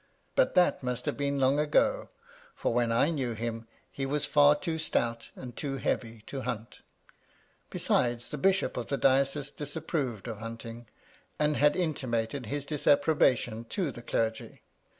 But that must have been long ago, for when I knew him he was far too stout and too heavy to hunt; besides, the bishop of the diocese disapproved of hunt ing, and had intimated his disapprobation to the MY LADY LUDLOW. ' 35 clergy.